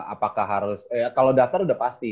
apakah harus kalau daftar udah pasti